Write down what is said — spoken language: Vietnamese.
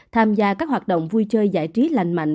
tham gia các hoạt động vui chơi giải trí lành mạnh